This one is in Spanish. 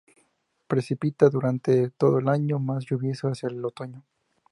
Precipita durante todo el año, más lluvioso hacia el otoño.